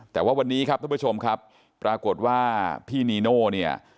แต่ว่าวันนี้ครับท่านผู้ชมครับปรากฏว่าพี่นีโน่เนี่ย